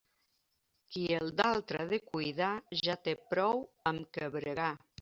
Qui el d'altre ha de cuidar, ja té prou amb què bregar.